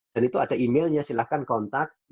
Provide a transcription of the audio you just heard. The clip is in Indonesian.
dan itu ada emailnya silahkan kontak